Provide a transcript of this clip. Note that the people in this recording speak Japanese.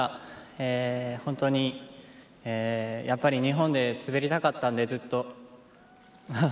ええ本当にやっぱり日本で滑りたかったんでずっと本当に。